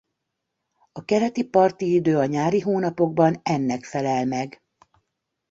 A keleti parti idő a nyári hónapokban ennek felel meg.